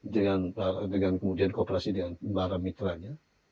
dengan kemudian kooperasi dengan para mitranya